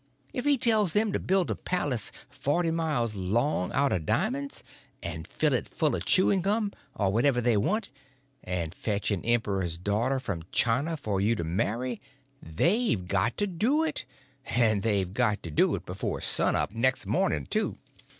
If he tells them to build a palace forty miles long out of di'monds, and fill it full of chewing gum, or whatever you want, and fetch an emperor's daughter from China for you to marry, they've got to do it—and they've got to do it before sun up next morning, too.